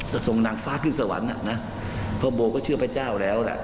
ส่งนางฟ้าขึ้นสวรรค์อ่ะนะเพราะโบก็เชื่อพระเจ้าแล้วแหละ